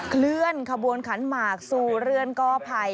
เคลื่อนขบวนขันหมากสู่เรือนกอภัย